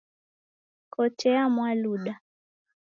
Kotea Mwaluda